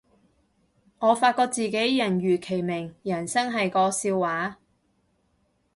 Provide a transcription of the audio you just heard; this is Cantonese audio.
我發覺自己人如其名，人生係個笑話